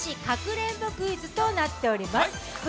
かくれんぼクイズとなっております。